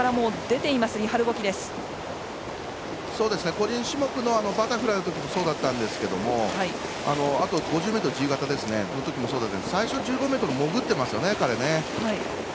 個人種目のバタフライのときにそうだったんですけどあと５０ｍ自由形のときもそうだったんですけど最初１５ｍ潜ってますよね、彼。